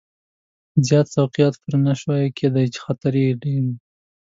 زیات سوقیات پرې نه شوای کېدای چې خطر یې ډېر و.